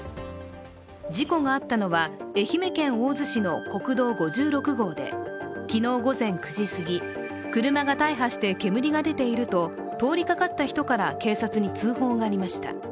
事故があったのは、愛媛県大洲市の国道５６号で昨日午前９時すぎ車が大破して煙が出ていると通りかかった人から警察に通報がありました。